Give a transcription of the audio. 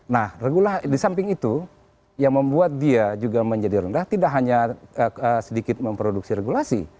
nah di samping itu yang membuat dia juga menjadi rendah tidak hanya sedikit memproduksi regulasi